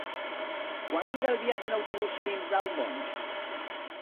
Quant dura el viatge en autobús fins a Albons?